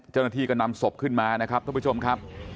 เจ้าหน้าที่ก็นำศพขึ้นมานะครับท่านผู้ชมครับ